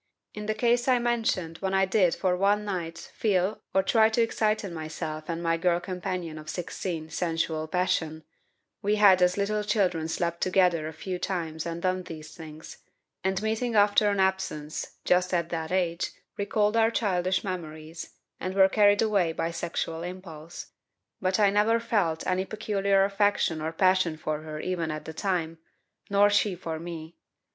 In the case I mentioned when I did for one night feel or try to excite in myself and my girl companion of 16 sensual passion, we had as little children slept together a few times and done these things, and meeting after an absence, just at that age, recalled our childish memories, and were carried away by sexual impulse. But I never felt any peculiar affection or passion for her even at the time, nor she for me.